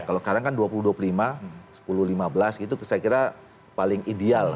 kalau sekarang kan dua puluh dua puluh lima sepuluh lima belas gitu saya kira paling ideal